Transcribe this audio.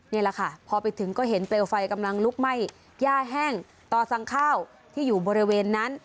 นี่แหละค่ะพอไปถึงก็เห็นเปลวไฟกำลังลุกไหม้ย่าแห้งต่อสั่งข้าวที่อยู่บริเวณนั้น